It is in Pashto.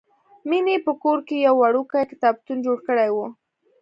مینې په کور کې یو وړوکی کتابتون جوړ کړی و